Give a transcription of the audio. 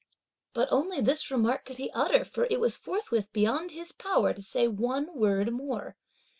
But only this remark could he utter, for it was forthwith beyond his power to say one word more.